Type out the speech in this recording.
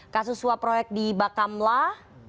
kasus suap proyek di bakamlah